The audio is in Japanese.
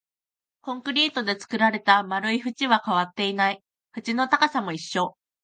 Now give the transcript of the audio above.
コンクリートで作られた丸い縁は変わっていない、縁の高さも一緒